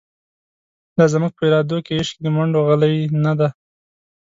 لا زموږ په ارادو کی، عشق د مڼډو غلۍ نه دۍ